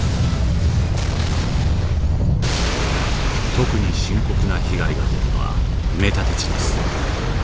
特に深刻な被害が出るのは埋め立て地です。